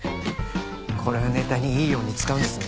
これをネタにいいように使うんですね。